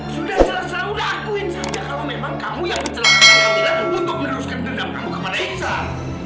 sudah selesai udah aku yang sampa kalau memang kamu yang mencelakakan amira untuk meneruskan dendam kamu kemana iksan